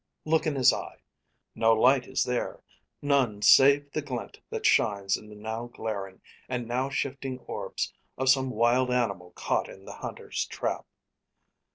Look in his eye! No light is there; none, save the glint that shines In the now glaring, and now shifting orbs Of some wild animal caught in the hunter's trap.